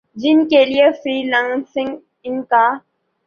جن کے لیے فری لانسنگ ان کا